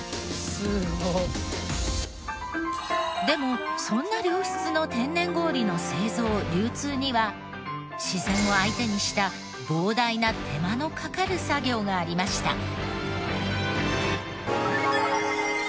でもそんな良質の天然氷の製造・流通には自然を相手にした膨大な手間のかかる作業がありました。